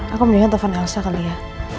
aku mendingan telepon angsa kali ya